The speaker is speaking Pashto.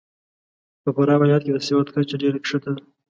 په فراه ولایت کې د سواد کچه ډېره کښته ده .